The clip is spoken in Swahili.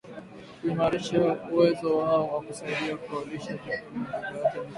kuimarisha uwezo wao wa kusaidia kufaulisha juhudi za utekelezaji wa mikakati